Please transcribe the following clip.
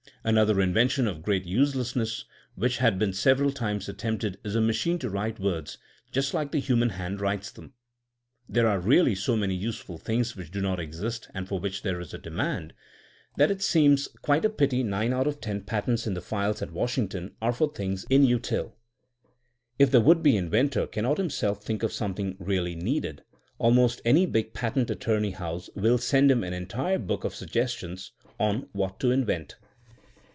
Another invention of great uselessness which has been several times attempted is a machine to write words just like the human hand writes them. There are really so many useful things which do not exist and for which there is a demand, that it seems THINKING A8 A 80IEN0E 221 quite a pity nine out of ten patents in the files at Washington are for things inutile. If the would be inventor cannot himself think of some thing really needed, almost any big patent at torney house will send him an entire book of suggestions on What to Invent.